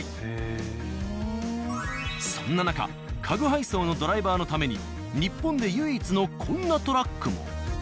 そんな中家具配送のドライバーのために日本で唯一のこんなトラックも。